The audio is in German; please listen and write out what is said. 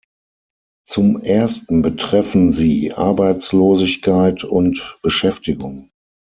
Zum ersten betreffen sie Arbeitslosigkeit und Beschäftigung.